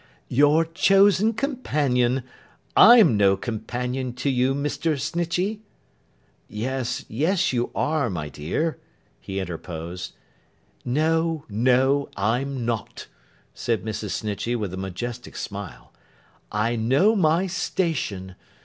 'Your chosen companion; I'm no companion to you, Mr. Snitchey.' 'Yes, yes, you are, my dear,' he interposed. 'No, no, I'm not,' said Mrs. Snitchey with a majestic smile. 'I know my station.